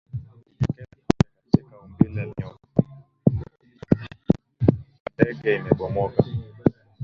Nyumba ya ndege imebomoka